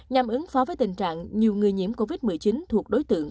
nhằm ứng phó với tình trạng nhiều người nhiễm covid một mươi chín thuộc đối tượng